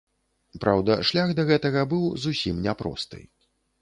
Праўда, шлях да гэтага быў зусім няпросты.